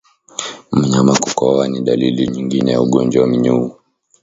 Mnyama kukohoa ni dalili nyingine ya ugonjwa wa minyoo